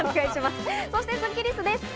そしてスッキりすです。